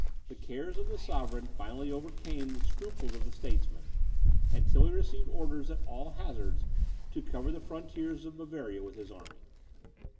The cares of the sovereign finally overcame the scruples of the statesman, and Tilly received orders, at all hazards, to cover the frontiers of Bavaria with his army.